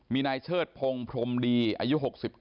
มีนายเชิดพงศ์พรมดีอายุ๖๙